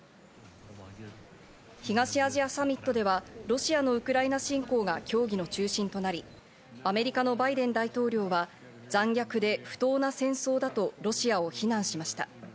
東アジアサミットではロシアのウクライナ侵攻が協議の中心となり、アメリカのバイデン大統領は残虐で不当な戦争だとロシアを非難しました。